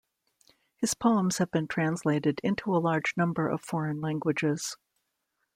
His poems have been translated into a large number of foreign languages.